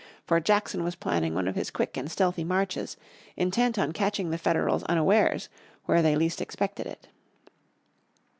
For Jackson was planning one of his quick and stealthy marches, intent on catching the Federals unawares where they least expected it.